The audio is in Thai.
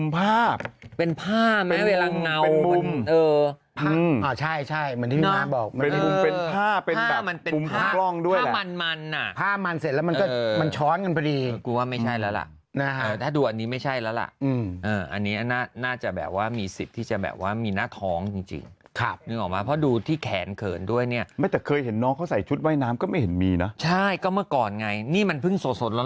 ผ้าเป็นแบบปุ้มท้องด้วยแหละผ้ามันเสร็จแล้วมันช้อนกันพอดีกูว่าไม่ใช่แล้วล่ะถ้าดูอันนี้ไม่ใช่แล้วล่ะอันนี้น่าจะแบบว่ามีสิทธิ์ที่จะแบบว่ามีหน้าท้องจริงคับนึกออกมาเพราะดูที่แขนเขินด้วยเนี่ยไม่แต่เคยเห็นน้องเขาใส่ชุดว่ายน้ำก็ไม่เห็นมีนะใช่ก็เมื่อก่อนไงนี่มันเพิ่ง